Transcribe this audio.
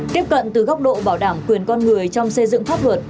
tiếp cận từ góc độ bảo đảm quyền con người trong xây dựng pháp luật